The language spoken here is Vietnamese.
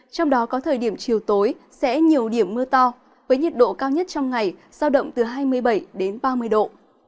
trong đó có thời điểm chiều tối sẽ nhiều điểm mưa to với nhiệt độ cao nhất trong ngày sao động từ hai mươi bảy đến ba mươi độ